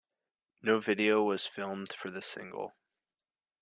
No video was filmed for the single.